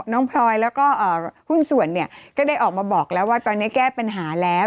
พลอยแล้วก็หุ้นส่วนเนี่ยก็ได้ออกมาบอกแล้วว่าตอนนี้แก้ปัญหาแล้ว